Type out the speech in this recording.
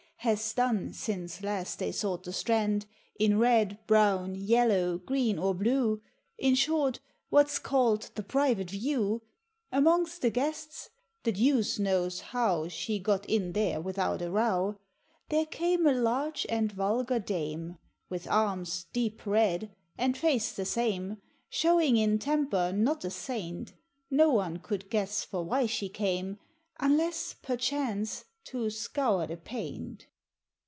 Has done since last they sought the Strand, In red, brown, yellow, green, or blue, In short, what's called the private view, Amongst the guests the deuce knows how She got in there without a row There came a large and vulgar dame, With arms deep red, and face the same, Showing in temper not a Saint; No one could guess for why she came, Unless perchance to "scour the Paint."